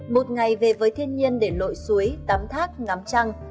một ngày về với thiên nhiên để lội suối tắm thác ngắm trăng